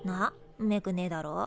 んめくねえだろ？